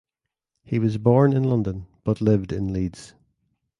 He was born in London but lived in Leeds.